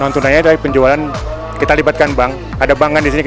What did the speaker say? terima kasih bank indonesia